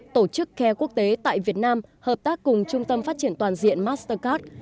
tổ chức care quốc tế tại việt nam hợp tác cùng trung tâm phát triển toàn diện mastercard